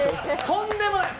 とんでもない。